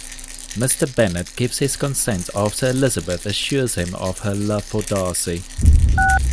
Mr. Bennet gives his consent after Elizabeth assures him of her love for Darcy.